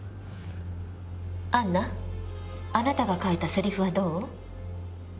杏奈あなたが書いたせりふはどう？